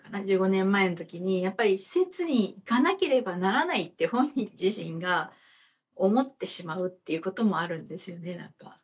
１５年前の時にやっぱり施設に行かなければならないって本人自身が思ってしまうっていうこともあるんですよね何か。